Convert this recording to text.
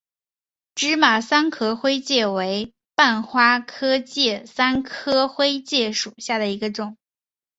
芝麻三壳灰介为半花介科三壳灰介属下的一个种。